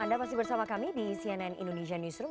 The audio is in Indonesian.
anda masih bersama kami di cnn indonesia newsroom